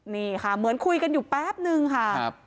นี่ค่ะเหมือนคุยกันอยู่แป๊บนึงค่ะ